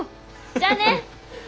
じゃあね。